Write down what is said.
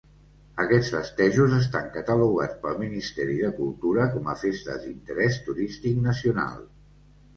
Aquests festejos estan catalogats pel Ministeri de Cultura com a Festes d'Interès Turístic Nacional.